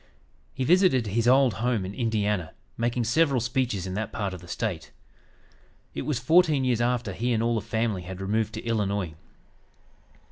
He visited his old home in Indiana, making several speeches in that part of the State. It was fourteen years after he and all the family had removed to Illinois.